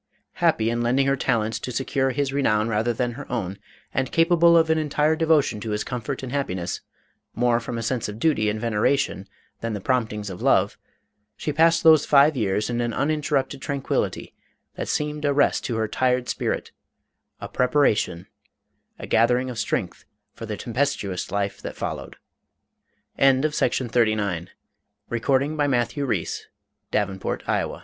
Happy in lending her talents to secure his renown rather than her own, and capable of an entire devotion to his comfort and happiness, more from a sense of duty and veneration than the promptings of love, she passed those five years in an uninterrupted tranquillity that seemed a rest to her tried spirit, a preparation, a gathering of strength, for the tempestuous life that followed. In 1790, the low but fearful rumblings of the politi